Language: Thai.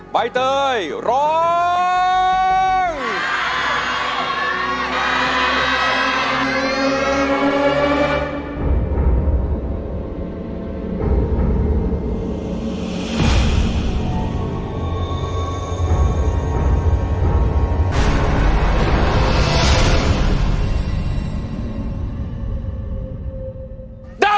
ใบเตยร้องได้